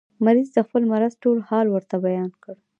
مریض د خپل مرض ټول حال ورته بیان کړ.